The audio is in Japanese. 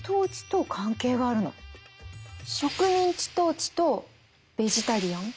植民地統治とベジタリアン！？